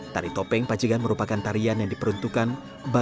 ceritanya pun banyak mengambil legenda ramayana dan mahabharata